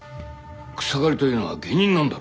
草刈というのは下忍なんだろ？